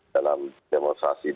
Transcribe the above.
dalam demonstrasi dua ratus dua belas